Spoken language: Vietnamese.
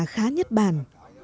khá nhất bản